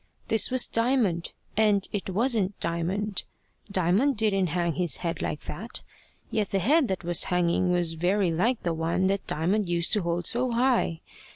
This was Diamond and it wasn't Diamond. Diamond didn't hang his head like that; yet the head that was hanging was very like the one that Diamond used to hold so high.